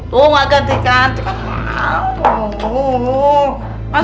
tuh gak ganti ganti